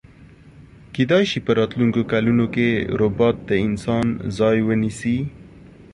کیدای شی په راتلونکي کلونو کی ربات د انسان ځای ونیسي